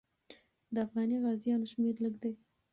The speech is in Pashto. د افغاني غازیانو شمېر لږ دی.